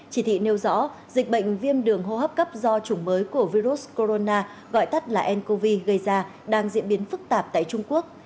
chỉ thị nêu rõ dịch bệnh viêm đường hô hấp cấp do chủng mới của virus corona gọi tắt là ncov gây ra đang diễn biến phức tạp tại trung quốc